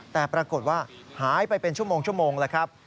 แต่ปรากฏว่าหายไปเป็นชั่วโมงแล้วครับ